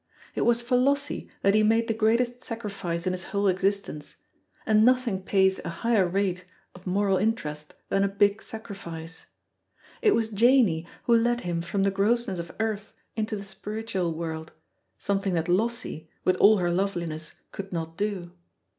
It was for Lossie that he made the greatest sacrifice in his whole existence; and nothing pays a higher rate of moral interest than a big sacrifice. It was Janey who led him from the grossness of earth into the spiritual world, something that Lossie, with all her loveliness, could not do.